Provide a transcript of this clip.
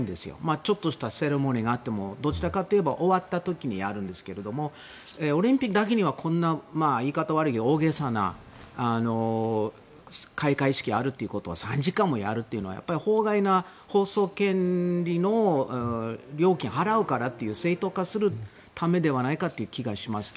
ちょっとしたセレモニーがあっても終わったときやるんですがオリンピックだけにこんな大げさな開会式があるということは３時間もやるというのは法外な放送権利の料金を払うからっていう正当化するためじゃないかという気がしますが。